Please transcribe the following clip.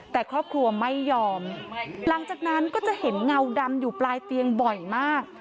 แต่ครอบครัวไม่ยอมหลังจากนั้นก็จะเห็นเงาดำอยู่ปลายเตียงบ่อยมาก